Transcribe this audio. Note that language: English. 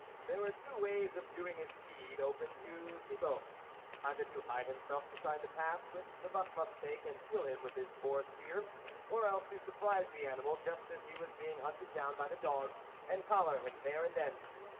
There were two ways of doing his deed open to Thibault ; either to hide himself beside the path which the buck must take and kill him with his boar spear, or else to surprise the animal just as he was being hunted down by the dogs, and collar him there and then.